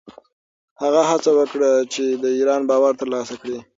هغه هڅه وکړه چې د ایران باور ترلاسه کړي.